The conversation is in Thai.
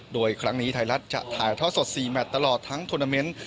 โดยครั้งนี้ไทยรัฐจะถ่ายท่อสด๔แมทตลอดทั้งทวนาเมนต์